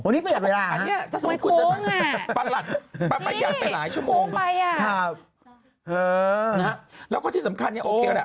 วันนี้เปลี่ยนเวลาไม่โค้งอ่ะนี่โค้งไปอ่ะแล้วก็ที่สำคัญโอเคแหละ